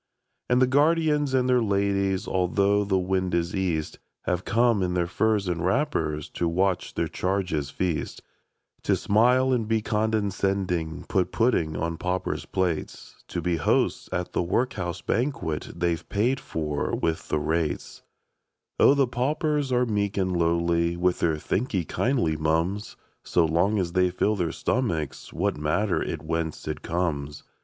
And the guardians and their ladies. Although the wind is east. Have come in their furs and v\rapper5. To watch their charges feast ; IN THE WORKHOUSE. . To smile and be condescending, Put pudding on pauper plates, To be hosts at the workhouse banquet They Ve paid for — ^\vith the rates. Oh, the paupers are meek and lowly With their " Thank 'ee kindly, mum's"; So long as they fill their stomachs, What matter it whence it comes